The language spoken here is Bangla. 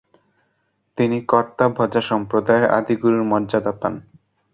তিনি কর্তাভজা সম্প্রদায়ের আদিগুরুর মর্যাদা পান।